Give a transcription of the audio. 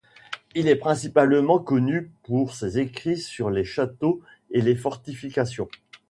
Il est principalement connu pour ses écrits sur les châteaux et les fortifications.